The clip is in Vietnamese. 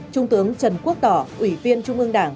trung tướng trần quốc tỏ ủy viên trung ương đảng